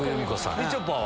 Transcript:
みちょぱは？